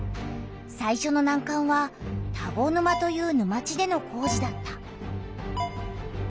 さいしょのなんかんは田子沼という沼地での工事だった。